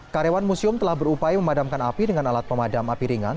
karyawan museum telah berupaya memadamkan api dengan alat pemadam api ringan